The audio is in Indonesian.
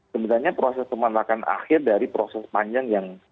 sebenarnya proses pemanakan akhir dari proses panjang yang